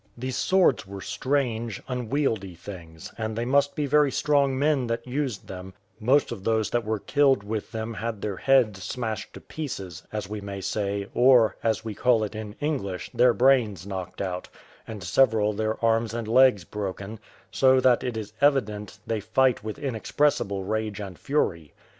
These swords were strange, unwieldy things, and they must be very strong men that used them; most of those that were killed with them had their heads smashed to pieces, as we may say, or, as we call it in English, their brains knocked out, and several their arms and legs broken; so that it is evident they fight with inexpressible rage and fury.